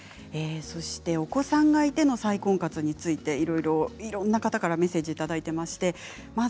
お子さんがいての再婚活についていろいろいろんな方からメッセージをいただいています。